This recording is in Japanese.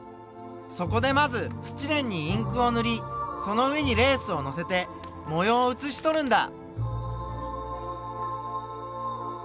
そこでまずスチレンにインクをぬりその上にレースをのせて模様をうつしとるんだ。